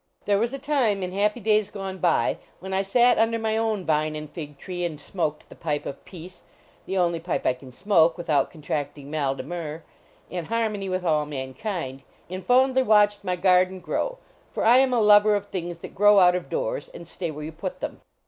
There was a time, in happy days gone by, when I sat under my own vine and fig tree and smoked the pipe of peace the only pipe I can smoke without contracting mal dc mer in harmony with all mankind, and fondly watched my garden grow, for I am a lover of things that grow out of doors and stay where you put them.